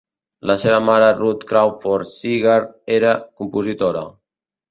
La seva mare, Ruth Crawford Seeger, era compositora.